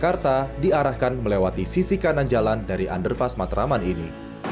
jalan lintas bawah ini bisa diarahkan melewati sisi kanan jalan dari underpass matraman ini